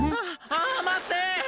ああ、待って！